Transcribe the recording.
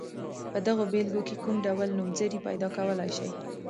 په دغو بېلګو کې کوم ډول نومځري پیداکولای شئ.